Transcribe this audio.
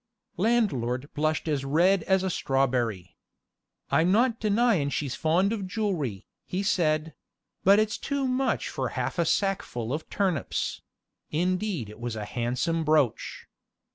Landlord blushed as red as a strawberry. "I'm not denying she's fond of jewelry," he said; "but it's too much for half a sackful of turnips." Indeed it was a handsome brooch.